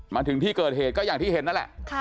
มาถึงที่เกิดเหตุก็อย่างที่เห็นนั่นแหละ